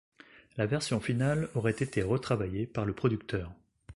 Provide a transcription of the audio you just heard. La version finale aurait été retravaillée par le producteur.